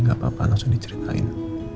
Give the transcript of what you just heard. gak apa apa langsung diceritain